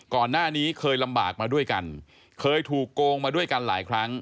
ก่อนหน้านี้เคยลำบากมาด้วยกันเคยถูกโกงมาด้วยกันหลายครั้ง